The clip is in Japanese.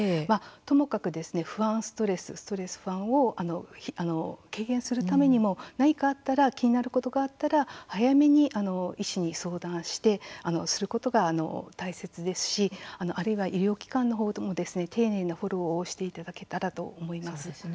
ともかく不安、ストレスを軽減するためにも何かあったら気になることがあったら早めに医師に相談することが大切ですしあるいは医療機関のほうでも丁寧なフォローをしていただけたらと思います。